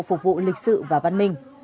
phục vụ lịch sự và văn minh